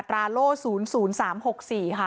ราโล่๐๐๓๖๔ค่ะ